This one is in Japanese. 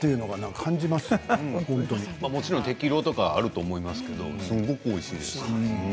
適量があると思いますけどすごくおいしいです。